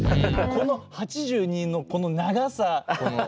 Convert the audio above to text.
この８２のこの長さ。